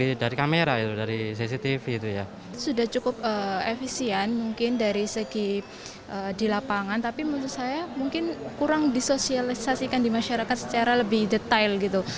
tapi menurut saya mungkin kurang disosialisasikan di masyarakat secara lebih detail gitu